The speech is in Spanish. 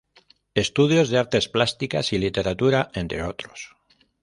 Estudios de Artes Plásticas y Literatura, entre otros.